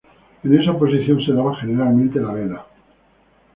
En esa posición se daba generalmente la vela.